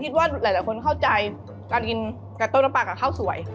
คิดว่าหลายคนเข้าใจการกินกาโต้น้ำปลากับข้าวสวย